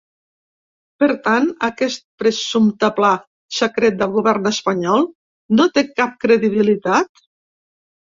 Per tant, aquest presumpte pla secret del govern espanyol no té cap credibilitat?